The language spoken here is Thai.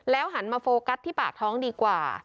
หันมาโฟกัสที่ปากท้องดีกว่า